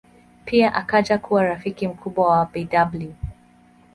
Pia akaja kuwa rafiki mkubwa wa Bw.